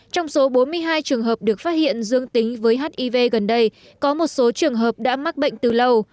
trong số bốn mươi hai trường hợp được phát hiện dương tính với hiv gần đây có một số trường hợp đã mắc bệnh từ lâu